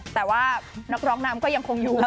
แต่ว่านักร้องนำก็ยังคงอยู่